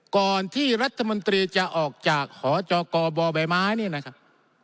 ก่อนที่รัฐมนตรีจะออกจากหจกบใบไม้นี่นะครับ